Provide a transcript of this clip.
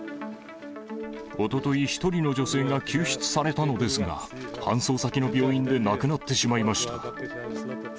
おととい、１人の女性が救出されたのですが、搬送先の病院で亡くなってしまいました。